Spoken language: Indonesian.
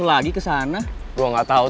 berartiquinho ga bisa maju terus